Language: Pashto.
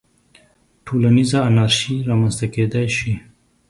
ټولنیزه انارشي رامنځته کېدای شي.